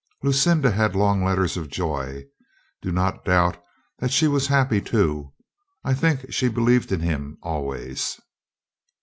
Lucinda had long letters of joy. Do not doubt that she was happy, too. I think she believed in him always.